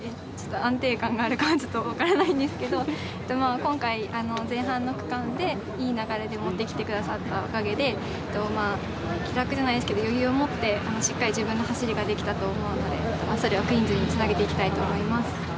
安定感があるかは分からないんですが今回前半の区間でいい流れで持ってきてくださったおかげで、気楽じゃないですけど、余裕を持ってしっかり自分の走りができたと思うので、それを「クイーンズ」につなげていきたいと思います。